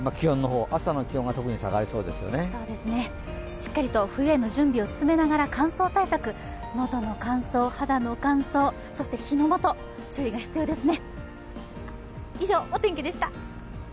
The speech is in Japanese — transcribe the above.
しっかりと冬への準備を進めながら乾燥対策、喉の乾燥、肌の乾燥、そして火の元、注意が必要ですね。